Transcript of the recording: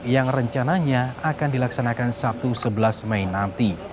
yang rencananya akan dilaksanakan sabtu sebelas mei nanti